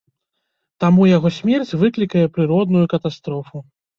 Таму яго смерць выклікае прыродную катастрофу.